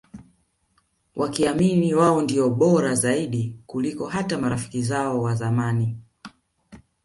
Wakiamini wao ndio Bora Zaidi kuliko hata marafiki zao wazamani